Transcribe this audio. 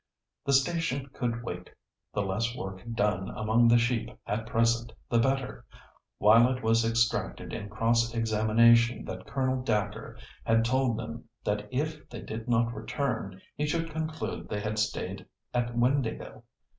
The station could wait, the less work done among the sheep at present, the better; while it was extracted in cross examination that Colonel Dacre had told them that if they did not return, he should conclude they had stayed at Windāhgil.